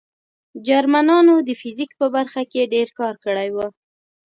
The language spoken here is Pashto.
جرمنانو د فزیک په برخه کې ډېر کار کړی و